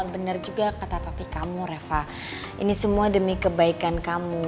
benar juga kata papa kamu reva ini semua demi kebaikan kamu